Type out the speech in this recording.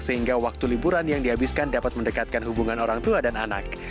sehingga waktu liburan yang dihabiskan dapat mendekatkan hubungan orang tua dan anak